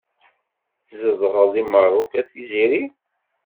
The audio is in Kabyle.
Tzedɣeḍ deg Meṛṛuk a Tiziri?